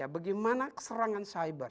bagaimana keserangan cyber